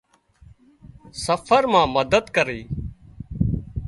سفر مان مدد ڪري۔